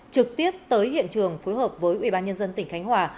trực tiếp tới hiện trường phối hợp với ủy ban nhân dân tỉnh khánh hòa